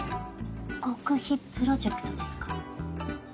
極秘プロジェクトですか？